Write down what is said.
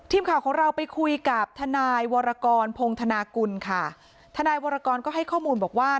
ทีมข่าวของเราไปคุยกับทนายวรกรพงธนากุลค่ะทนายวรกรก็ให้ข้อมูลบอกว่า